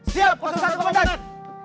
siap postur tubuh kebetulan